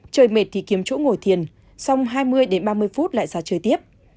chơi mệt thì kiếm chỗ ngồi thiền xong hai mươi ba mươi phút lại ra chơi tiếp